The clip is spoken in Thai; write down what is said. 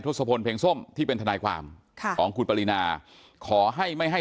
ศพลเพลงส้มที่เป็นทนายความค่ะของคุณปรินาขอให้ไม่ให้